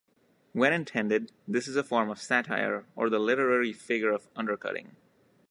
When intended, this is a form of satire or the literary figure of undercutting.